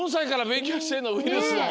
ウイルスの。